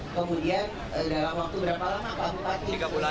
kemudian dalam waktu berapa lama pak